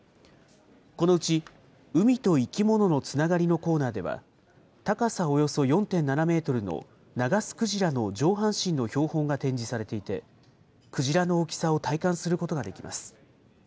このうち海と生き物のつながりのコーナーでは、高さおよそ４．７メートルのナガスクジラの上半身の標本が展示されていて、クジラの大きさを体感することができます。